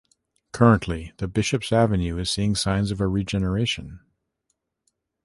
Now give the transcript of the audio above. Currently The Bishops Avenue is seeing signs of a regeneration.